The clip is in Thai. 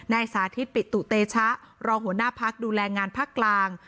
สาธิตปิตุเตชะรองหัวหน้าพักดูแลงานภาคกลาง